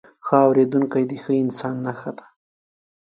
ښه اورېدونکی، د ښه انسان نښه ده.